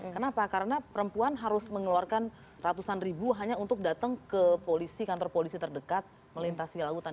kenapa karena perempuan harus mengeluarkan ratusan ribu hanya untuk datang ke polisi kantor polisi terdekat melintasi lautan